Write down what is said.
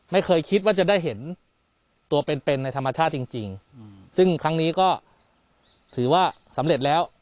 ไม่เคยคิดว่าจะได้เห็นตัวเป็นเป็นในธรรมชาติจริงซึ่งครั้งนี้ก็ถือว่าสำเร็จแล้ว